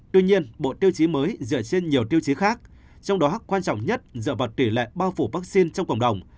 tuy nhiên bộ tiêu chí mới dựa trên nhiều tiêu chí khác trong đó quan trọng nhất dựa vào tỷ lệ bao phủ vaccine trong cộng đồng